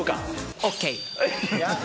ＯＫ。